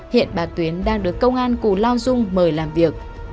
hiện bà tuyến đang được công an cù lao dung mời làm việc